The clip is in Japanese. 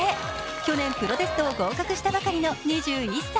去年プロテストを合格したばかりの２１歳。